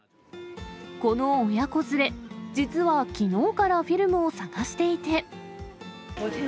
この親子連れ、実はきのうからフィルムを探していて。